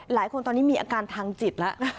หลายคนตอนนี้มีอาการทางจิตแล้ว